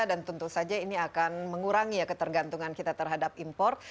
dan tentu saja ini akan mengurangi ya ketergantungan kita terhadap import